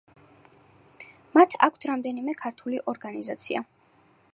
მათ აქვთ რამდენიმე ქართული ორგანიზაცია.